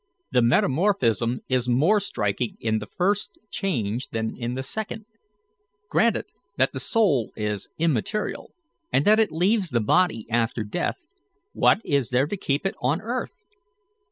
The metamorphism is more striking in the first change than in the second. Granted that the soul is immaterial, and that it leaves the body after death, what is there to keep it on earth?